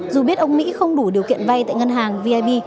dù biết ông mỹ không đủ điều kiện vai tại ngân hàng vip